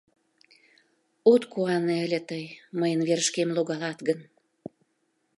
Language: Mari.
— От куане ыле тый... мыйын верышкем логалат гын!